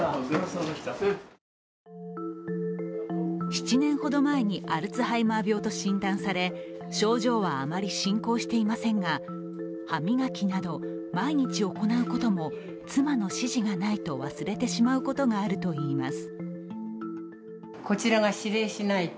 ７年ほど前にアルツハイマー病と診断され症状はあまり進行していませんが歯磨きなど、毎日行うことも妻の指示がないと忘れてしまうことがあるといいます。